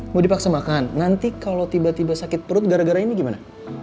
mau dipaksa makan nanti kalau tiba tiba sakit perut gara gara ini gimana